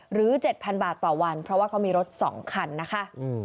๗๐๐บาทต่อวันเพราะว่าเขามีรถ๒คันนะคะ